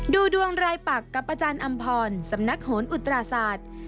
ดูดวงรายปักกับอาจารย์อำพรสำนักโหนอุตราศาสตร์